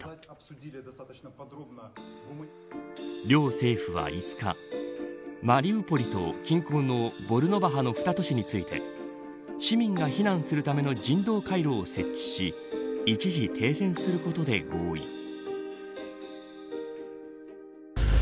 両政府は５日マリウポリとボルノバハの２都市について市民が避難するための人道回廊を設置し一時、停戦することで合意。